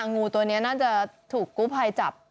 งูตัวนี้น่าจะถูกกู้ภัยจับ